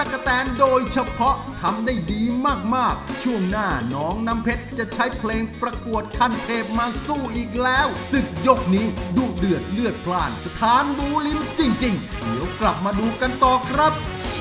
ขอบคุณทั้งสามให้นะครับ